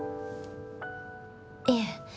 いえ。